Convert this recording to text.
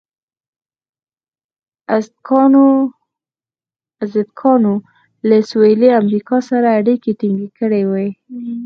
ازتکانو له سویلي امریکا سره اړیکې ټینګې کړې وې.